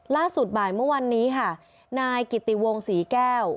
ล่าสุดบ่ายเมื่อวานนี้ค่ะนายกิติวงศรีแก้ว